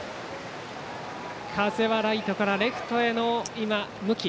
風はライトからレフトへの向き。